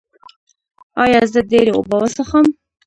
ایا زه ډیرې اوبه وڅښم؟